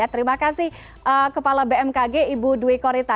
terima kasih kepala bmkg ibu dwi korita